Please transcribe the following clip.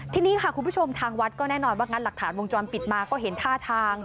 ทีนี้ค่ะคุณผู้ชมทางวัดก็แน่นอนว่างั้นหลักฐานวงจรปิดมาก็เห็นท่าทาง